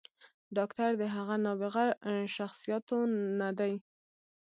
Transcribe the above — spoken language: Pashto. “ډاکتر د هغه نابغه شخصياتو نه دے